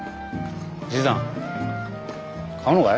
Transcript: じいさん買うのかい？